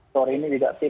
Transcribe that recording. sore ini tidak sih